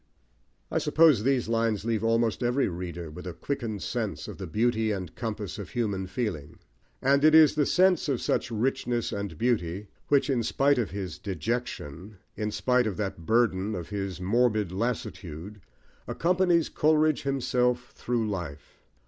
I suppose these lines leave almost every reader with a quickened sense of the beauty and compass of human feeling; and it is the sense of such richness and beauty which, in spite of his "dejection," in spite of that burden of his morbid lassitude, accompanies Coleridge himself through life.